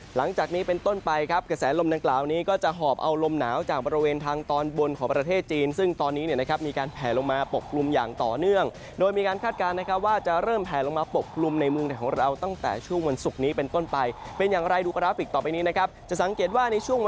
หลังจากนี้เป็นต้นไปครับกระแสลมดังกล่าวนี้ก็จะหอบเอาลมหนาวจากบริเวณทางตอนบนของประเทศจีนซึ่งตอนนี้เนี่ยนะครับมีการแผลลงมาปกกลุ่มอย่างต่อเนื่องโดยมีการคาดการณ์นะครับว่าจะเริ่มแผลลงมาปกกลุ่มในเมืองไทยของเราตั้งแต่ช่วงวันศุกร์นี้เป็นต้นไปเป็นอย่างไรดูกราฟิกต่อไปนี้นะครับจะสังเกตว่าในช่วง